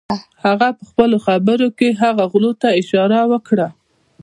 هغه پهخپلو خبرو کې هغو غلو ته اشاره وکړه.